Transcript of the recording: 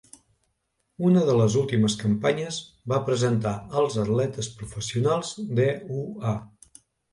Una de les últimes campanyes va presentar als atletes professionals d"EUA.